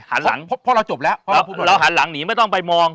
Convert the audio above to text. หันหลังเพราะเราจบแล้วเพราะเราพูดแล้วเราหันหลังหนีไม่ต้องไปมอง